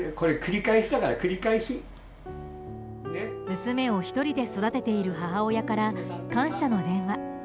娘を１人で育てている母親から感謝の電話。